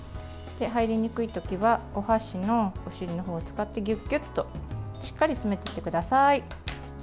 入りにくい時はお箸のお尻の方を使ってギュギュッとしっかり詰めていってください。